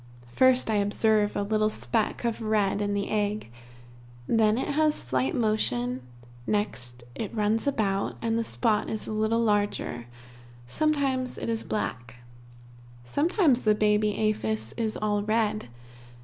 First I observe a little speck of red in the egg then it has slight motion next it runs about, and the spot is a little larger, sometimes it is black. Sometimes the baby aphis is all red.